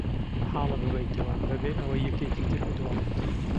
مەحاڵە ببەیتەوە بەبێ ئەوەی یەکێکی تر بدۆڕێت.